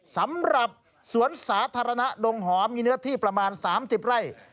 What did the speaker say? สำหรับสวนสาธารณะดงหอมมีเนื้อที่ประมาณ๓๐ไร่